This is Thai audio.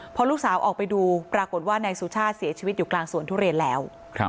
พอลูกสาวออกไปดูปรากฏว่านายสุชาติเสียชีวิตอยู่กลางสวนทุเรียนแล้ว